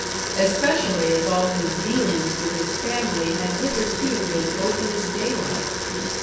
Especially as all his dealings with his family had hitherto been open as daylight.